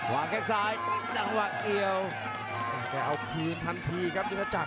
วางแก่งซ้ายนั่งหวังเอียวแต่เอาพีทันทีครับนี่ก็จักร